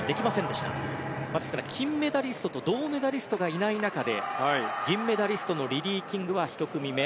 ですから金メダリストと銅メダリストがいない中で銀メダリストのリリー・キングは１組目。